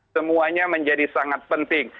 semuanya menjadi sangat penting